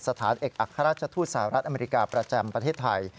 สถานเอกอัครราชทูตสหรัฐอเมริกาประจำประเทศไทย